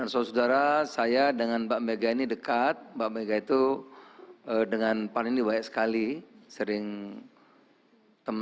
nah banyak yang kami sudah berkata